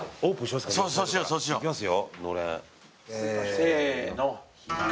せの。